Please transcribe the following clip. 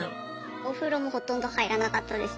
お風呂もほとんど入らなかったです。